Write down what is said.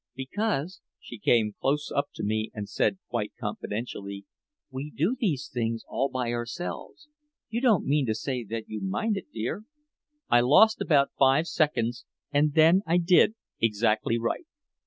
"Because" she came close up to me and said quite confidentially, "we do these things all by ourselves. You don't mean to say that you mind it, dear?" I lost about five seconds and then I did exactly right.